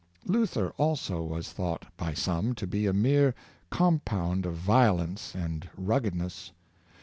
" Luther also was thought by some to be a mere com pound of violence and ruggedness.